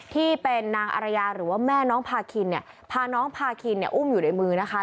ที่เป็นนางอรยะหรือแม่น้องพาคินผ่าน้องพาคินอุ้มอยู่ในมือนะคะ